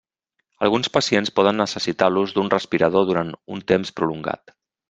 Alguns pacients poden necessitar l'ús d'un respirador durant un temps prolongat.